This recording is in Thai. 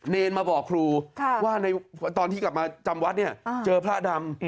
เนรมาบอกครูว่าตอนที่กลับมาจำวัดเนี่ยเจอพระดำ